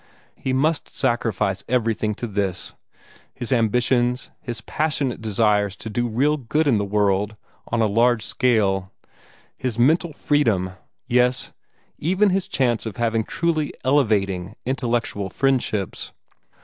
He must sacrifice everything to this, his ambitions, his passionate desires to do real good in the world on a large scale, his mental freedom, yes, even his chance of having truly elevating, intellectual friendships.